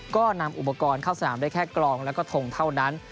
ก็นำอุปกรณ์เข้าสนามได้แค่กรองแล้วก็ทงเท่านั้น